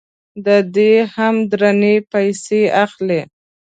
ددې هم درنه پیسې اخلي.